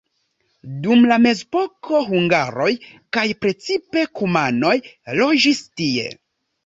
Dum la mezepoko hungaroj kaj precipe kumanoj loĝis tie.